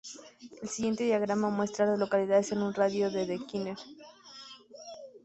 El siguiente diagrama muestra a las localidades en un radio de de Keener.